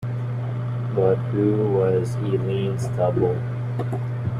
But who was Eileen's double.